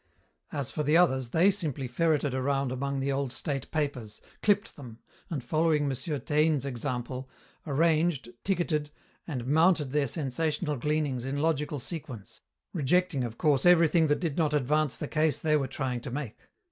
As for the others, they simply ferreted around among the old state papers, clipped them, and, following M. Taine's example, arranged, ticketed, and mounted their sensational gleanings in logical sequence, rejecting, of course, everything that did not advance the case they were trying to make.